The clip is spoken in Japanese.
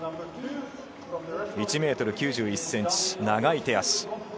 １ｍ９１ｃｍ、長い手足。